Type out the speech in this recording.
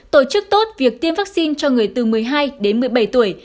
tổ chức tốt việc tiêm vaccine cho người từ một mươi hai đến một mươi bảy tuổi